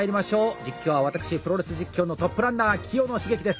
実況は私プロレス実況のトップランナー清野茂樹です。